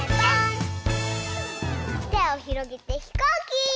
てをひろげてひこうき！